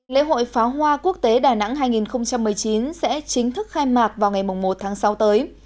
lễ hội pháo hoa quốc tế đà nẵng hai nghìn một mươi chín sẽ chính thức khai mạc vào ngày một tháng sáu tới